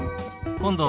「今度」。